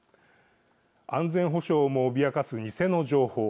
安全保障をも脅かす偽の情報。